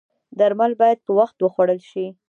درمل باید په وخت وخوړل شي